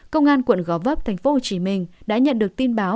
công an quận gò vấp tp hcm đã nhận được tin báo